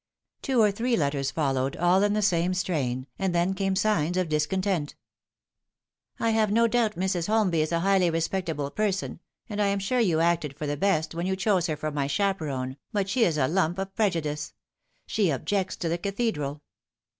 Two or three letters followed, all in the same strain, and then came signs of discontent. " I have no doubt Mrs. Holmby is a highly respectable per son, and I am sure you acted for the best when you chose her for my chaperon, but she is a lump of prejudice. She objects to the Cathedral.